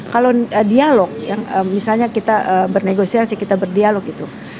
kalau dialog misalnya kita bernegosiasi kita berdialog itu